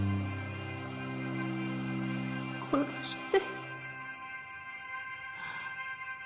殺して。